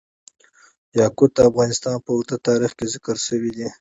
یاقوت د افغانستان په اوږده تاریخ کې ذکر شوی دی.